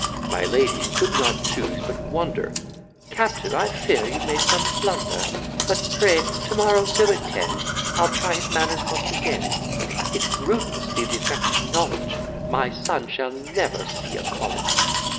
My lady could not choose but wonder; "Captain, I fear you've made some blunder; But, pray, to morrow go at ten; I'll try his manners once again; If rudeness be th' effect of knowledge, My son shall never see a college."